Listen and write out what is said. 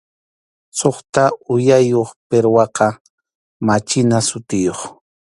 Suqta uyayuq pirwaqa machina sutiyuq.